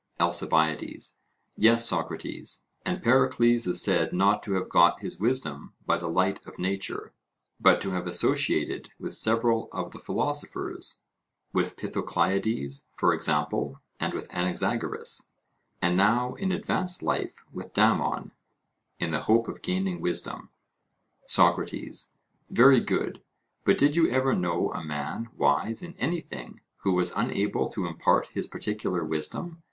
ALCIBIADES: Yes, Socrates; and Pericles is said not to have got his wisdom by the light of nature, but to have associated with several of the philosophers; with Pythocleides, for example, and with Anaxagoras, and now in advanced life with Damon, in the hope of gaining wisdom. SOCRATES: Very good; but did you ever know a man wise in anything who was unable to impart his particular wisdom?